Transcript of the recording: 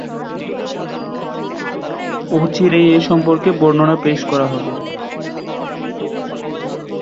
অচিরেই এ সম্পর্কে বর্ণনা পেশ করা হবে।